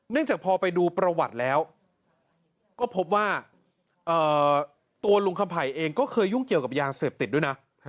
จากพอไปดูประวัติแล้วก็พบว่าตัวลุงคำไผ่เองก็เคยยุ่งเกี่ยวกับยาเสพติดด้วยนะ